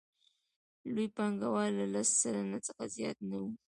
لوی پانګوال له لس سلنه څخه زیات نه وو